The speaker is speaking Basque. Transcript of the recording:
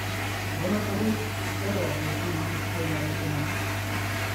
Erromatarrek erraz lortzen omen zuten garaipena.